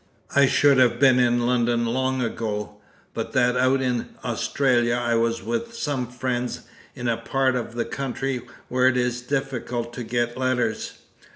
I should have been in London long ago, but that out in Australia I was with some friends in a part of the country where it is difficult to get letters.